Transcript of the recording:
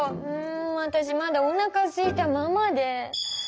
わたしまだおなかすいたままで。